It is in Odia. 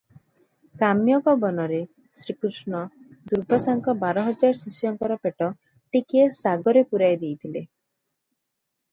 କାମ୍ୟକ ବନରେ ଶ୍ରୀକୃଷ୍ଣ ଦୁର୍ବାସାଙ୍କ ବାର ହଜାର ଶିଷ୍ୟଙ୍କର ପେଟ ଟିକିଏ ଶାଗରେ ପୂରାଇ ଦେଇଥିଲେ ।